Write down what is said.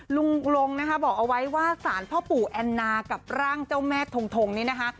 ลงนะคะบอกเอาไว้ว่าสารพ่อปู่แอนนากับร่างเจ้าแม่ทงทงนี่นะคะ